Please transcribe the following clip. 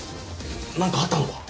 何かあったのか？